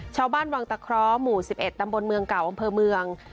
ชาวบ้านวังตะเคราะห์หมู่๑๑ตำบลเมืองเก่าอำเภอเมือง